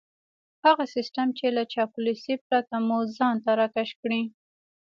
هغه سيستم چې له چاپلوسۍ پرته مو ځان ته راکش کړي.